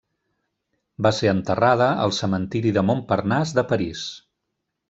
Va ser enterrada al cementiri de Montparnasse de París.